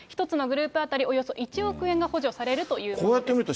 １つのグループ当たり、およそ１億円が補助されるということです。